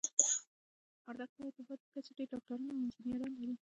وردګ ولايت د هيواد په کچه ډير ډاکټران او انجنيران لري.